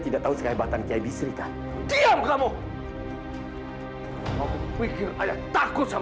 dan kamu dah lah